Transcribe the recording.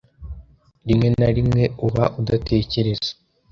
Rimwe na rimwe uba udatekereza.